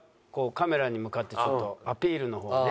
カメラに向かってちょっとアピールの方をね。